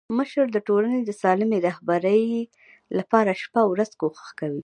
مشر د ټولني د سالمي رهبري لپاره شپه او ورځ کوښښ کوي.